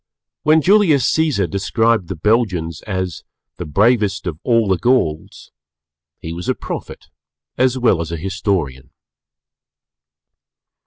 When Julius Cæsar described the Belgians as the "Bravest of all the Gauls" he was a Prophet as well as a Historian.